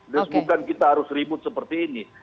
terus bukan kita harus ribut seperti ini